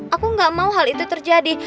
aku gak mau hal itu terjadi